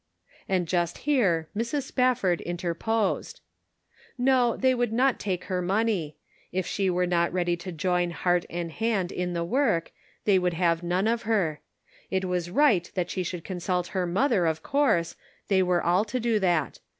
And just here Mrs. Spafford interposed. No, they could not take her money ; if she were not ready to join heart and hand in the work, they would have none of her. It was right that she should consult her mother, of course ; they were all to do that.